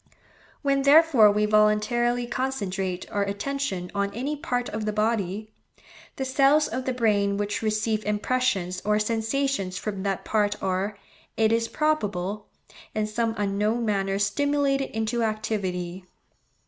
When therefore we voluntarily concentrate our attention on any part of the body, the cells of the brain which receive impressions or sensations from that part are, it is probable, in some unknown manner stimulated into activity.